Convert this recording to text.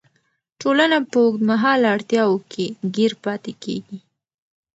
ټولنه په اوږدمهاله اړتیاوو کې ګیر پاتې کیږي.